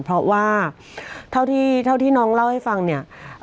เพราะว่าเท่าที่น้องเล่าให้ฟังเนี่ย